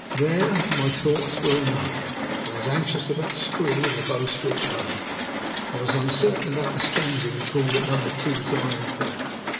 There my thoughts were enough. I was anxious about Screw and the Bow Street runner. I was uncertain about the stranger who had called at Number Two, Zion Place.